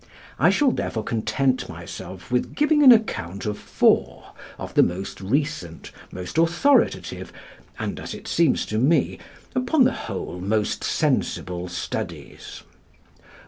I shall therefore content myself with giving an account of four of the most recent, most authoritative, and, as it seems to me, upon the whole most sensible studies.